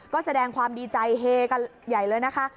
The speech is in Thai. ก็แสดงความดีใจเฮกันใหญ่เลยนะคะ